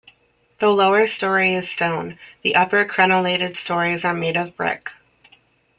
The lower story is stone; the upper crenelatted stories are made of brick.